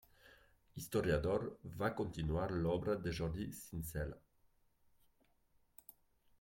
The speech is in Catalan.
Historiador, va continuar l'obra de Jordi Sincel·le.